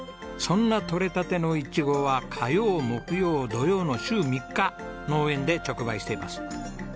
そんなとれたてのイチゴは火曜木曜土曜の週３日農園で直売しています。